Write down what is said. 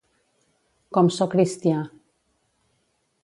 Com so cristià.